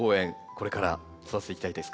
これから育てていきたいですか？